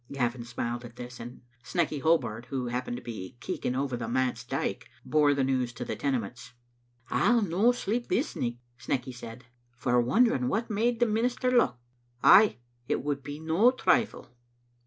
Gavin smiled at this, and Snecky Hobart, who hap pened to be keeking over the manse dyke, bore the news to the Tenements. "I'll no sleep the nicht," Snecky said, "for wonder ing what made the minister lauch. Ay, it would be no trifle."